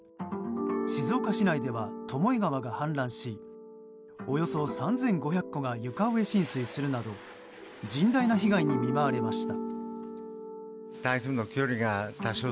静岡市内では巴川が氾濫しおよそ３５００戸が床上浸水するなど甚大な被害に見舞われました。